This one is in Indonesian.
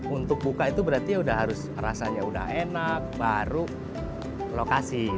untuk buka itu berarti sudah harus rasanya udah enak baru lokasi